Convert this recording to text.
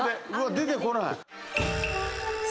出てこない。